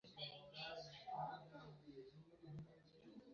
muyobozi wa Komite Mpuzabikorwa, ushinzwe uburezi mu